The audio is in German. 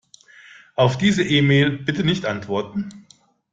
Auf diese E-Mail bitte nicht antworten.